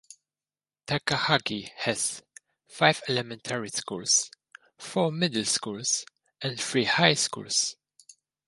Takahagi has five elementary schools, four middle schools and three high schools.